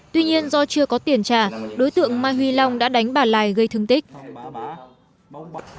tuy nhiên do chưa có tiền trả đối tượng mai huy long đã đánh bà lài gây thương tích